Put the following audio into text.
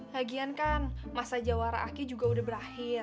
lagian kan masa jawara aki juga udah berakhir